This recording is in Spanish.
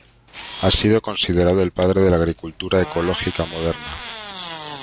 Ha sido considerado el padre de la agricultura ecológica moderna.